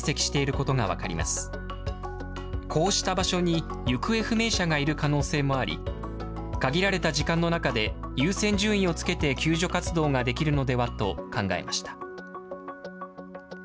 こうした場所に行方不明者がいる可能性もあり、限られた時間の中で、優先順位をつけて救助活動ができるのではと考えました。